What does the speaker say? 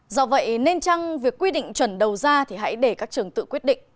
do vậy nên chăng việc quy định chuẩn đầu ra thì hãy để các trường tự quyết định